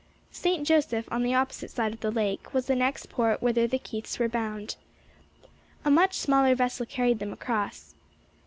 St. Joseph, on the opposite side of the lake, was the next port whither the Keiths were bound. A much smaller vessel carried them across.